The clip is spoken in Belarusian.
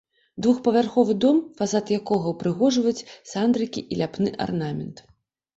Двухпавярховы дом, фасад якога ўпрыгожваюць сандрыкі і ляпны арнамент.